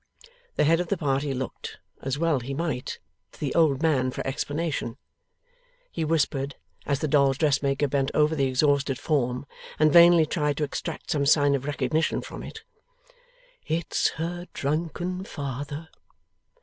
The head of the party looked (as well he might) to the old man for explanation. He whispered, as the dolls' dressmaker bent over the exhausted form and vainly tried to extract some sign of recognition from it: 'It's her drunken father.